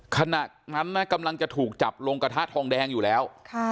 ขณะนั้นนะกำลังจะถูกจับลงกระทะทองแดงอยู่แล้ว